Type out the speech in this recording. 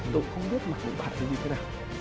tôi không biết bạn ấy như thế nào